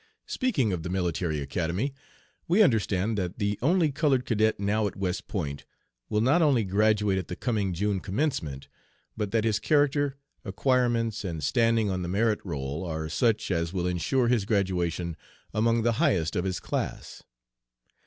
"Speaking of the Military Academy, we understand that the only colored cadet now at West Point will not only graduate at the coming June commencement, but that his character, acquirements, and standing on the merit roll are such as will insure his graduation among the highest of his class."